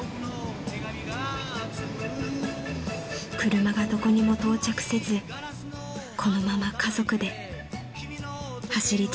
［車がどこにも到着せずこのまま家族で走り続けられたら］